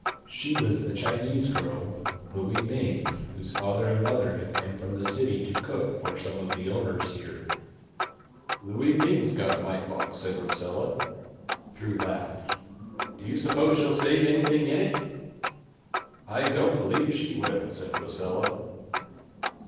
She was the Chinese girl, Louie Ming, whose father and mother had come from the city to cook for some of the owners here. "Louie Ming's got a mite box!" said Rosella. Drew laughed. "Do you suppose she'll save anything in it?" "I don't believe she will," said Rosella.